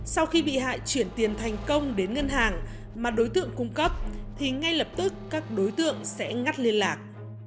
sau khi bị hại chuyển tiền thành công đến ngân hàng mà đối tượng cung cấp thì ngay lập tức các đối tượng sẽ ngắt liên lạc